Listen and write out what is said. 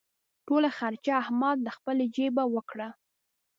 ټوله خرچه احمد له خپلې جېبه وکړه.